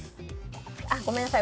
あっごめんなさい。